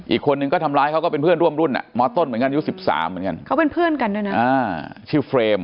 อีกคนนึงก็ทำร้ายเขาก็เป็นเพื่อนร่วมรุ่นอ่ะมต้นเหมือนกันอายุ๑๓เหมือนกันเขาเป็นเพื่อนกันด้วยนะชื่อเฟรม